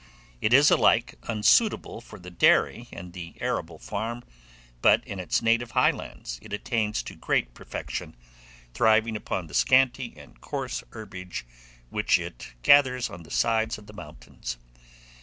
It is alike unsuitable for the dairy and the arable farm; but in its native Highlands it attains to great perfection, thriving upon the scanty and coarse herbage which it gathers on the sides of the mountains.